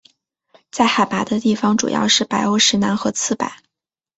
在海拔的地方主要是白欧石楠和刺柏。